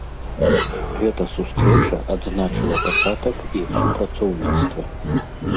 Гэта сустрэча адзначыла пачатак іх супрацоўніцтва.